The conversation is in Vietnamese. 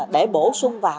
để bổ sung vào